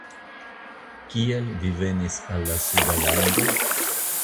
Kial vi venis al la Suda Lando?